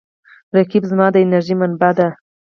رقیب زما د انرژۍ منبع دی